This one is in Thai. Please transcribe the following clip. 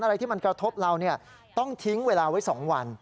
อะไรที่มันกระทบเราต้องทิ้งเวลาไว้๒วัน